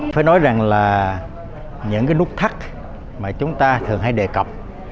phải nói rằng là những nút thắt mà chúng ta thường hay đề cập